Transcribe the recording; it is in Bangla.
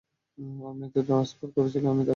আপনি তো ট্রান্সফার করেছিলেন আমি তাকে চাই।